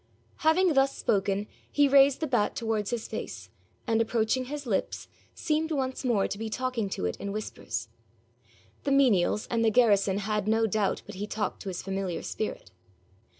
Having thus spoken he raised the bat towards his face, and, approaching his lips, seemed once more to be talking to it in whispers. The menials and the garrison had no doubt but he talked to his familiar spirit.